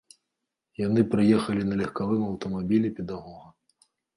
Яны прыехалі на легкавым аўтамабілі педагога.